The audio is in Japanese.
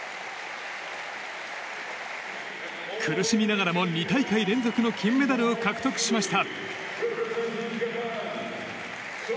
苦しみながらも２大会連続の金メダルを獲得しました。